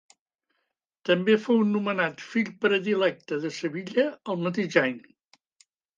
També fou nomenat fill predilecte de Sevilla el mateix any.